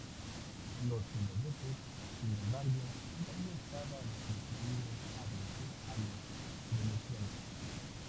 Los genoveses, sin embargo, todavía estaban decididos a vencer a los venecianos.